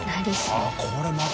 あっこれまた。